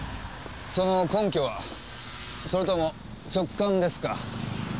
その根拠は？それとも直感ですか？